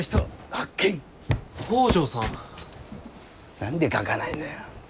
何で書かないのよ。